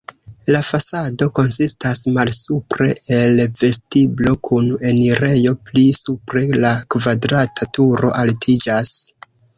La fasado konsistas malsupre el vestiblo kun enirejo, pli supre la kvadrata turo altiĝas.